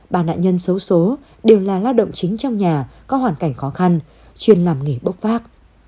ba nạn nhân số số đều là lao động chính trong nhà có hoàn cảnh khó khăn chuyên làm nghỉ bốc phát